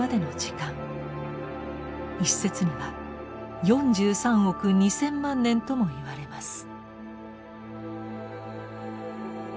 一説には４３億２，０００万年とも言われます。